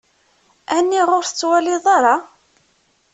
Aniɣ ur tettwaliḍ ara?